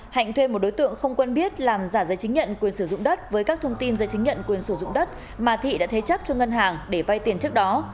hạnh thuê một đối tượng không quen biết làm giả giấy chứng nhận quyền sử dụng đất với các thông tin giấy chứng nhận quyền sử dụng đất mà thị đã thế chấp cho ngân hàng để vay tiền trước đó